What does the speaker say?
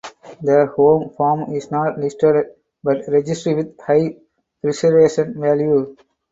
The home farm is not listed but registered with "high preservation value".